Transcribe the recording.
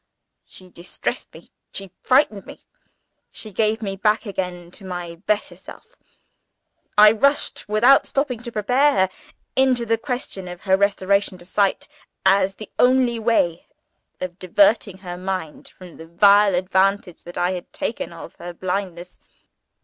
She distressed me she frightened me she gave me back again to my better self. I rushed, without stopping to prepare her, into the question of her restoration to sight as the only way of diverting her mind from the vile advantage that I had taken of her blindness.